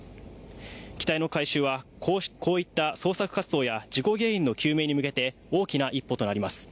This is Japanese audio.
機体の回収はこういった捜索活動や事故原因の究明に向けて大きな一歩となります。